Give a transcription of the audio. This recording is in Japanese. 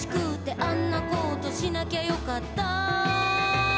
「あんなことしなきゃよかったな」